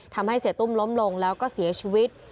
ทำให้เสียตุ้มล้มลงแล้วก็เสียชีวิต